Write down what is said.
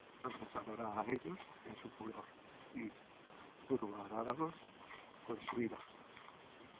Entonces hablará á ellos en su furor, Y turbarálos con su ira.